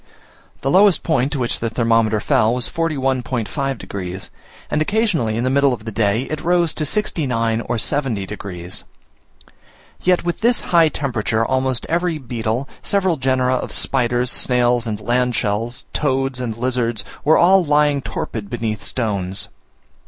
The lowest point to which the thermometer fell was 41.5 degs., and occasionally in the middle of the day it rose to 69 or 70 degs. Yet with this high temperature, almost every beetle, several genera of spiders, snails, and land shells, toads and lizards were all lying torpid beneath stones.